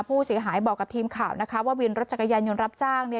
ผู้เสียหายบอกกับทีมข่าวนะคะว่าวินรถจักรยานยนต์รับจ้างเนี่ย